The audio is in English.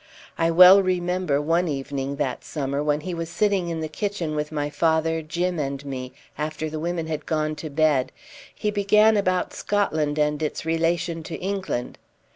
I well remember one evening that summer, when he was sitting in the kitchen with my father, Jim, and me, after the women had gone to bed, he began about Scotland and its relation to England.